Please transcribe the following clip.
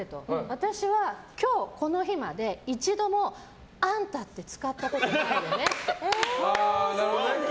私は今日、この日まで一度もあんたって使ったことないよねって。